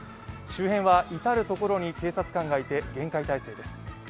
周辺は至る所に警察官がいて厳戒態勢です。